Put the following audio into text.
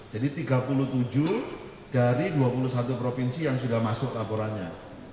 jadi tiga puluh tujuh dari dua puluh satu provinsi yang sudah masuk laporannya